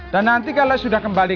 dan nanti kalau sudah kembali